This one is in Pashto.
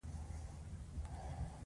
انګرېزان حملې ته تیار ناست وه.